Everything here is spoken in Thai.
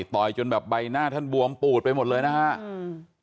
จนแบบใบหน้าท่านบวมปูดไปหมดเลยนะฮะอืม